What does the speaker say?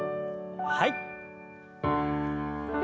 はい。